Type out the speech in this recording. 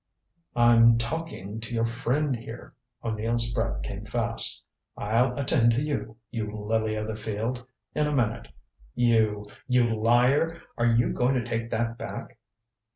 "I'm talking to your friend here." O'Neill's breath came fast. "I'll attend to you, you lily of the field, in a minute. You you liar are you going to take that back?"